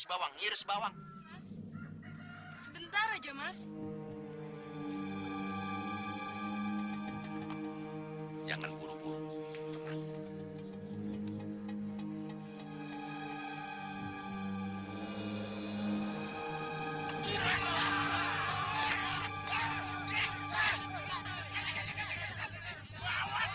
hai jangan buru buru